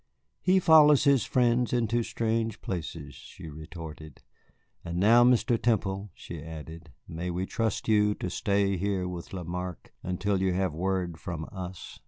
"He follows his friends into strange places," she retorted. "And now, Mr. Temple," she added, "may we trust you to stay here with Lamarque until you have word from us?"